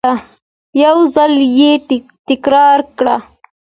یو ځل یې تکرار کړه !